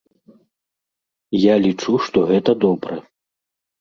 Я лічу, што гэта добра.